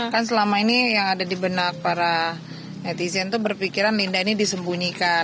kan selama ini yang ada di benak para netizen itu berpikiran linda ini disembunyikan